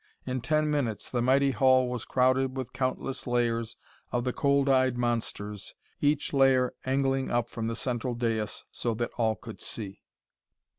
In ten minutes the mighty hall was crowded with countless layers of the cold eyed monsters, each layer angling up from the central dais so that all could see.